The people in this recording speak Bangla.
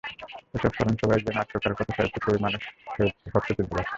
এসব স্মরণসভায় গিয়ে নাট্যকার, কথাসাহিত্যিক, কবি, মানুষ সৈয়দ হককে চিনতে পারছি।